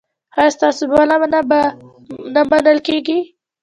ایا ستاسو بلنه به نه منل کیږي؟